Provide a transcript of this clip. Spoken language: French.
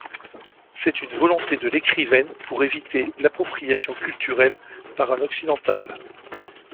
C'est une volonté de l'écrivaine pour éviter l'appropriation culturelle par un occidental.